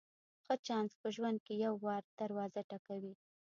ښه چانس په ژوند کې یو وار دروازه ټکوي.